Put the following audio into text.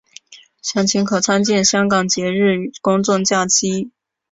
详情可参看香港节日与公众假期。